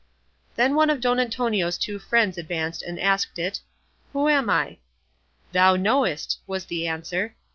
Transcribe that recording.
Then one of Don Antonio's two friends advanced and asked it, "Who am I?" "Thou knowest," was the answer.